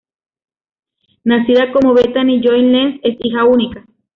Nacida como Bethany Joy Lenz, es hija única.